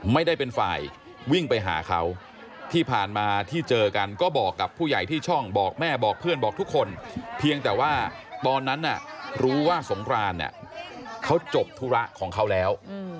ไม่ได้เป็นฝ่ายวิ่งไปหาเขาที่ผ่านมาที่เจอกันก็บอกกับผู้ใหญ่ที่ช่องบอกแม่บอกเพื่อนบอกทุกคนเพียงแต่ว่าตอนนั้นรู้ว่าสงครานเขาจบธุระของเขาแล้ว